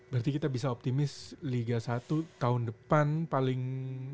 berarti kita bisa optimis liga satu tahun depan paling